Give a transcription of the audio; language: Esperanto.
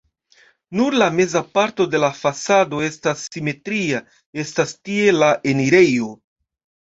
Nur la meza parto de la fasado estas simetria, estas tie la enirejo.